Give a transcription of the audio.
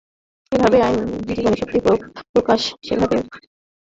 যেখানেই জীবনীশক্তির প্রকাশ, সেখানেই পশ্চাতে অনন্ত শক্তির ভাণ্ডার রহিয়াছে।